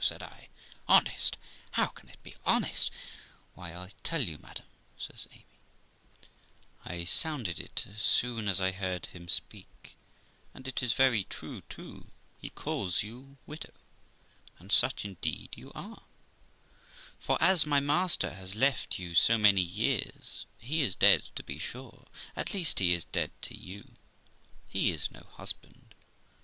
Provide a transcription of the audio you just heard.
said I. 'Honest! How can it be honest?' 'Why, I'll tell you, madam', says Amy; 'I sounded it as soon as I heard him speak, and it is very true too ; he calls you widow, and such indeed you are; for, as my master has left you so many years, he is dead, to be sure ; at least he is dead to you ; he is no husband.